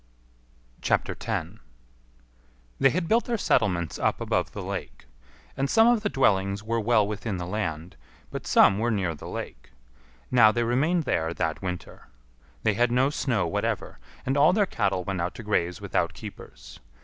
10. They had built their settlements up above the lake. And some of the dwellings were well within the land, but some were near the lake. Now they remained there that winter. They had no snow whatever, and all their cattle went out to graze without keepers.